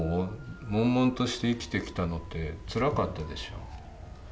もんもんとして生きてきたのってつらかったでしょう。